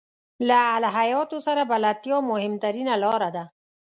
له الهیاتو سره بلدتیا مهمترینه لاره ده.